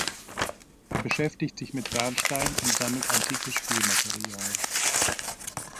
Er beschäftigt sich mit Bernstein und sammelt antikes Spielmaterial.